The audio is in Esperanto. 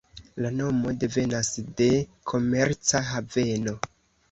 La nomo devenas de "komerca haveno.